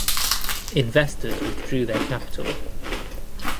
Investors withdrew their capital.